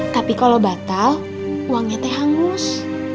tapi kalau batal uangnya teh hangus